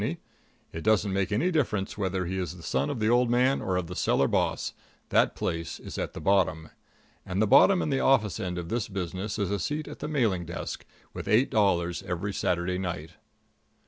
It doesn't make any difference whether he is the son of the old man or of the cellar boss that place is the bottom. And the bottom in the office end of this business is a seat at the mailing desk, with eight dollars every Saturday night.